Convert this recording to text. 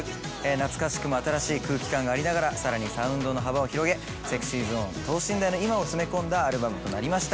懐かしくも新しい空気感がありながらさらにサウンドの幅を広げＳｅｘｙＺｏｎｅ等身大の今を詰め込んだアルバムとなりました。